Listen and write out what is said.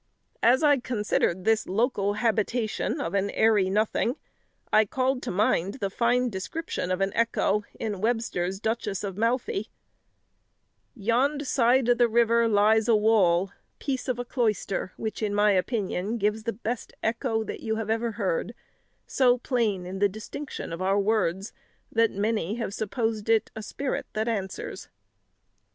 As I considered this local habitation of an "airy nothing," I called to mind the fine description of an echo in Webster's Duchess of Malfy: "'Yond side o' th' river lies a wall, Piece of a cloister, which in my opinion Gives the best echo that you have ever heard: So plain in the distinction of our words That many have supposed it a spirit That answers."